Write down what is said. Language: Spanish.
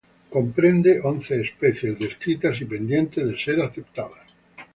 Comprende once especies descritas y pendientes de ser aceptadas.